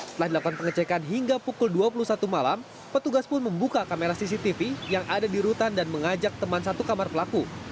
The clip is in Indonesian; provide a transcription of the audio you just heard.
setelah dilakukan pengecekan hingga pukul dua puluh satu malam petugas pun membuka kamera cctv yang ada di rutan dan mengajak teman satu kamar pelaku